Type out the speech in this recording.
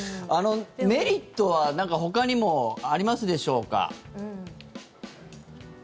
メリットはほかにもありますでしょうか。